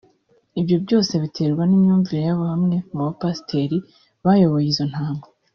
Ibyo byose biterwa n’imyumvire ya bamwe mu bapasiteri bayoboye izo ntama